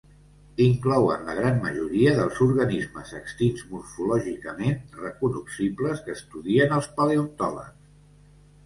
Inclouen la gran majoria dels organismes extints morfològicament recognoscibles que estudien els paleontòlegs.